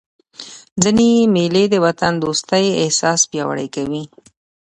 ځيني مېلې د وطن دوستۍ احساس پیاوړی کوي.